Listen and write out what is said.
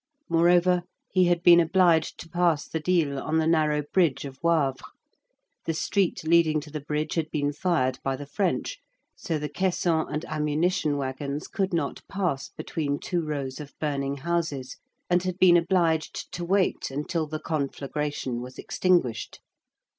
Moreover, he had been obliged to pass the Dyle on the narrow bridge of Wavre; the street leading to the bridge had been fired by the French, so the caissons and ammunition wagons could not pass between two rows of burning houses, and had been obliged to wait until the conflagration was extinguished.